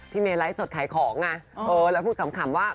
พี่เมย์ไลค์สดขายของแล้วพูดขำว่า